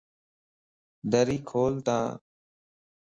دري کول تا